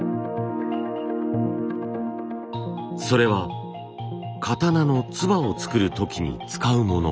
それは刀のつばを作る時に使うもの。